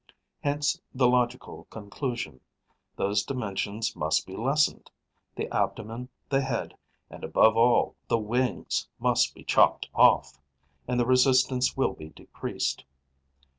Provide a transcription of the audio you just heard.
Hence the logical conclusion: those dimensions must be lessened; the abdomen, the head and, above all, the wings must be chopped off; and the resistance will be decreased.